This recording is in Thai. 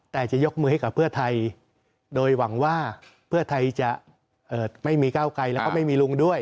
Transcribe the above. แต่จะยกมือให้กับเพื่อไทยโดยหวังว่าเพื่อไทยจะไม่มีก้าวไกลแล้วก็ไม่มีลุงด้วย